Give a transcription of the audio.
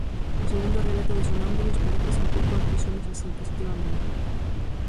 O segundo relato de 'Somnámbulos' parécese un pouco a 'Aquí somos así, positivamente'.